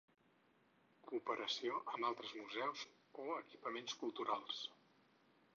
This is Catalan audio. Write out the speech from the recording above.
Cooperació amb altres museus o equipaments culturals.